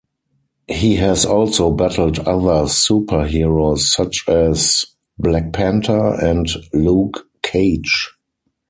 He has also battled other super-heroes such as Black Panther and Luke Cage.